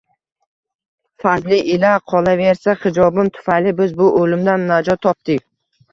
Fazli ila, qolaversa xijobim tufayli biz bu oʻlimdan najot topdik!